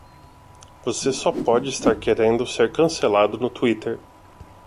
Você só pode estar querendo ser cancelado no Twitter